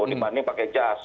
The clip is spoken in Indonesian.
dibanding pakai cas